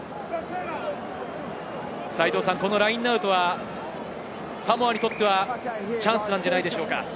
このラインアウトはサモアにとってはチャンスなんじゃないでしょうか。